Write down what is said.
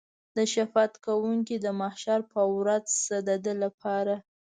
ته شفاعت کوونکی د محشر په ورځ شه د ده لپاره.